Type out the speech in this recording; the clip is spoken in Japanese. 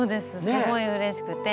すごいうれしくて。